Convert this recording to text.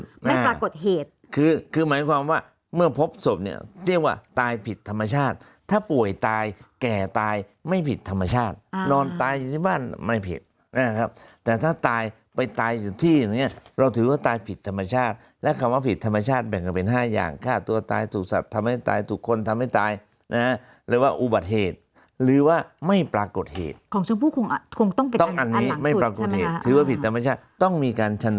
ปรากฏเหตุคือคือหมายความว่าเมื่อพบสมเนี่ยเรียกว่าตายผิดธรรมชาติถ้าป่วยตายแก่ตายไม่ผิดธรรมชาตินอนตายที่บ้านไม่ผิดนะครับแต่ถ้าตายไปตายอยู่ที่เนี่ยเราถือว่าตายผิดธรรมชาติและคำว่าผิดธรรมชาติแบ่งกันเป็นห้าอย่างฆ่าตัวตายถูกศัพท์ทำให้ตายทุกคนทำให้ตายนะฮะหรือว่าอุบัติ